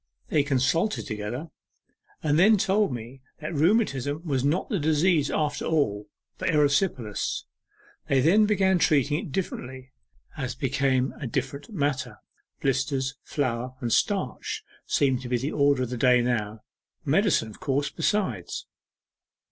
They consulted together and then told me that rheumatism was not the disease after all, but erysipelas. They then began treating it differently, as became a different matter. Blisters, flour, and starch, seem to be the order of the day now medicine, of course, besides.